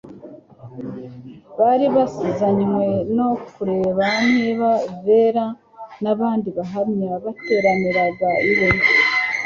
bari bazanywe no kureba niba vera n abandi bahamya bateraniraga iwe